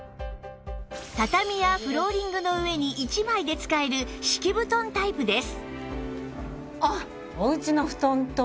畳やフローリングの上に１枚で使える敷き布団タイプです